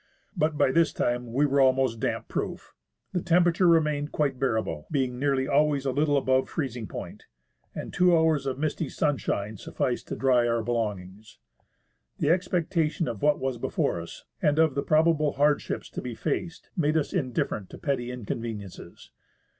But by this time we were almost damp proof. The temperature remained quite bearable, being nearly always a little above freez ing point, and two hours of misty sunshine sufficed to dry our belongings. The expectation of what was before us and of the probable hardships to be faced made us indifferent to petty inconveniences.